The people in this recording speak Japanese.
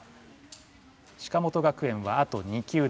鹿本学園はあと２球です。